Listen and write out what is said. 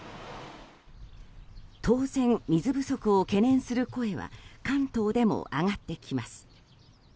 当然、水不足を懸念する声は関東でも上がってきます。